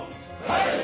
はい！